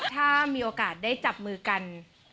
ถ้ามีโอกาสได้จับมือกัน